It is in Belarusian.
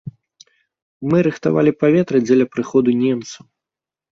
Мы рыхтавалі паветра дзеля прыходу немцаў.